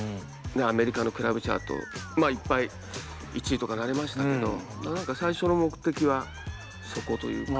アメリカのクラブチャートいっぱい１位とかなりましたけど何か最初の目的はそこというか。